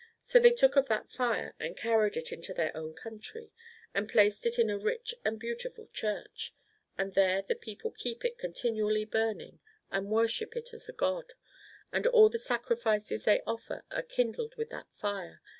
So they took of that fire, and carried it into their own country, and placed it in a rich and beautiful church. And there the people keep it continually burning, and worship it as a god, and all the sacrifices they offer are kindled with that fire.